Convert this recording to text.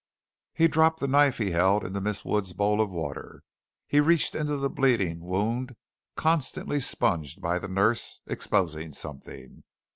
He dropped the knife he held into Miss Wood's bowl of water. He reached into the bleeding, wound, constantly sponged by the nurse, exposing something.